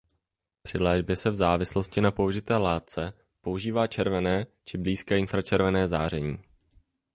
Při léčbě se v závislosti na použité látce používá červené či blízké infračervené záření.